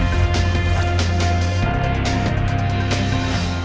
terima kasih atas kebersamaan anda dan sampai jumpa